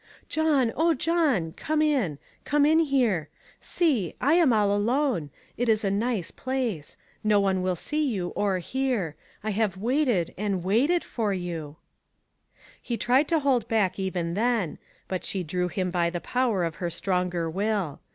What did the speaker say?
" John, oh, John, come in ; come in here. See ! I am all alone ; it is a nice place. No one will see you or hear ; I have waited, and waited for you." 5C>6 ONE COMMONPLACE DAY. He tried to hold back even then, but she drew him by the power of her stronger will.